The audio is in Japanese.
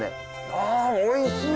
あおいしい。